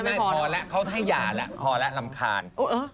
ไม่พอแล้วเขาให้หย่าแล้วพอแล้วรำคาญ